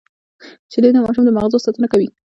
شیدې د ماشوم د مغزو ساتنه کوي